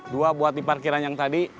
dua buat di parkiran yang tadi